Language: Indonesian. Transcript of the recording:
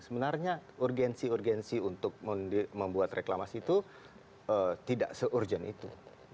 sebenarnya urgensi urgensi untuk membuat reklamasi itu tidak se urgent itu